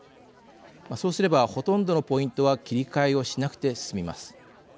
そうすればほとんどのポイントは切り替えをしなくて済みます。